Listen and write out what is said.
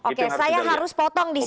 oke saya harus potong di situ